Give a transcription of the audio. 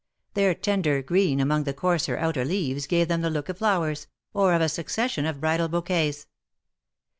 Their tender green among the coarser outer leaves gave them the look of flowers, or of a succession of bridal bouquets.